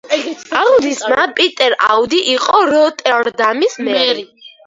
აუდის ძმა, პიტერ აუდი იყო როტერდამის მერი.